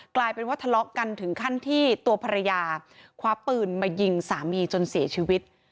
กลายเป็นว่าทะเลาะกันถึงขั้นที่ตัวภรรยาคว้าปืนมายิงสามีจนเสียชีวิต